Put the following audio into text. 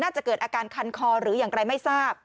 เกิดอาการคันคอหรืออย่างไรไม่ทราบ